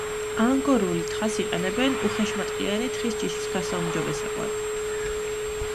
ანგორული თხას იყენებენ უხეშმატყლიანი თხის ჯიშის გასაუმჯობესებლად.